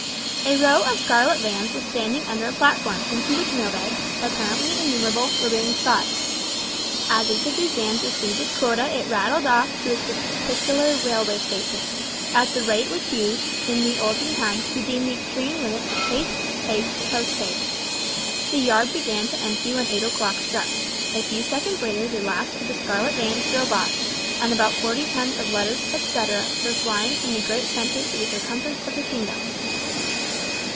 A row of scarlet vans was standing under a platform, into which mail bags, apparently innumerable, were being shot. As each of these vans received its quota it rattled off to its particular railway station, at the rate which used, in the olden time, to be deemed the extreme limit of "haste, haste, post haste." The yard began to empty when eight o'clock struck. A few seconds later the last of the scarlet vans drove off; and about forty tons of letters, etcetera, were flying from the great centre to the circumference of the kingdom.